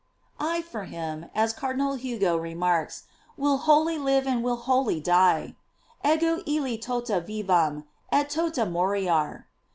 "* I for him, as Cardinal Hugo remarks, will wholly live and will wholly die: "Ego illi tota vivam, et tota moriar."